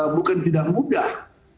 bukan tidak mudah